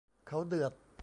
เขาเดือด